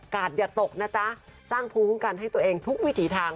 อย่าตกนะจ๊ะสร้างภูมิคุ้มกันให้ตัวเองทุกวิถีทาง